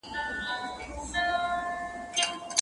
محیط مو د خپلو موخو په لور سیخ کړئ.